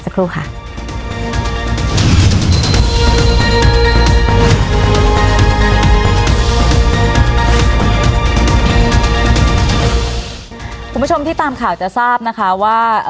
คุณผู้ชมที่ตามข่าวจะทราบนะคะว่า